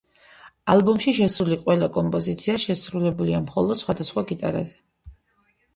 ალბომში შესული ყველა კომპოზიცია შესრულებულია მხოლოდ სხვადასხვა გიტარაზე.